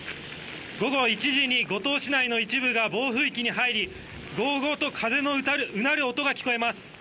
午後１時に五島市内の一部が暴風域に入り、ごうごうと風のうなる音が聞こえます。